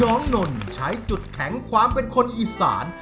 นนใช้จุดแข็งความเป็นคนอีสาน